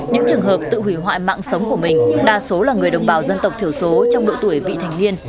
những trường hợp tự hủy hoại mạng sống của mình đa số là người đồng bào dân tộc thiểu số trong độ tuổi vị thành niên